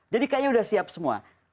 jadi kayaknya udah siap semua